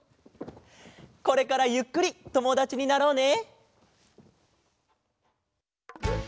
これからゆっくりともだちになろうね。